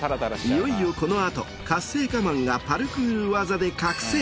いよいよこのあとカッセイカマンがパルクール技で覚醒。